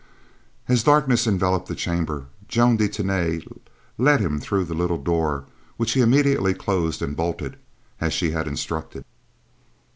As darkness enveloped the chamber, Joan de Tany led him through the little door, which he immediately closed and bolted as she had instructed.